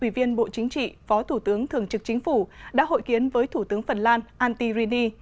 ủy viên bộ chính trị phó thủ tướng thường trực chính phủ đã hội kiến với thủ tướng phần lan antti rini